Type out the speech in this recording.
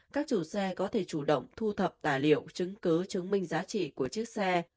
các chủ xe có thể chủ động thu thập tài liệu chứng cứ chứng minh giá trị của chiếc xe